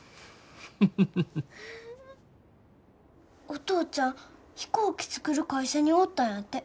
お父ちゃん飛行機作る会社におったんやて。